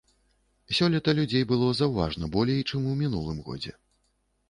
Сёлета людзей было заўважна болей, чым у мінулым годзе.